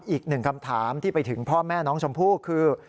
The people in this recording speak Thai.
อีกหนึ่งคำถามที่ไปถึงพ่อแม่น้องชมพู่คือ